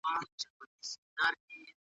یو ګیدړ وو ډېر چالاکه په ځغستا وو ,